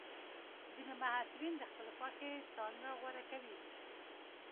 ځینې محصلین د خپلې خوښې څانګه غوره کوي.